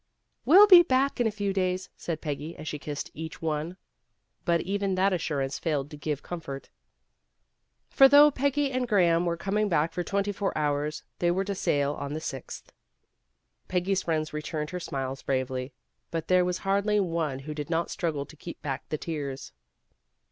"We'll be back in a few days," said Peggy as she kissed each one, but even that assurance failed to give com fort. For though Peggy and Graham were coming back for twenty four hours, they were to sail on the sixth. Peggy's friends returned her smiles bravely, but there was hardly one who did not struggle to keep back the tears.